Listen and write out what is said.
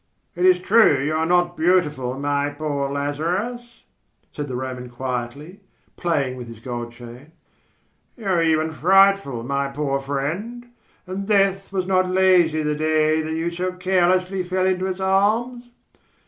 "It is true you are not beautiful, my poor Lazarus," said the Roman quietly, playing with his gold chain. "You are even frightful, my poor friend; and death was not lazy the day when you so carelessly fell into its arms.